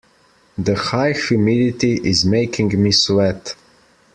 The high humidity is making me sweat.